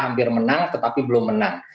hampir menang tetapi belum menang